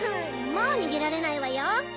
もう逃げられないわよ！